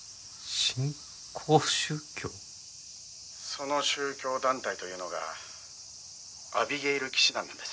「その宗教団体というのがアビゲイル騎士団なんです」